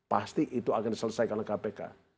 pasti itu akan diselesaikan oleh kpk